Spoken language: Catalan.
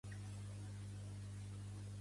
Joan és un personatge prou confús.